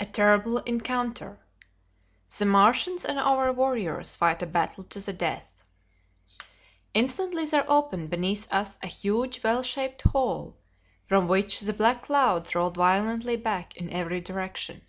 A Terrible Encounter. The Martians and Our Warriors Fight a Battle to the Death. Instantly there opened beneath us a huge well shaped hole, from which the black clouds rolled violently back in every direction.